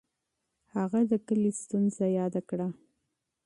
هغه د کلي ستونزه یاده کړه.